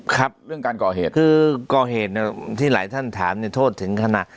ครับเรื่องการก่อเหตุคือก่อเหตุที่หลายท่านถามเนี่ยโทษถึงขนาด